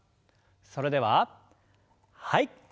それでははい。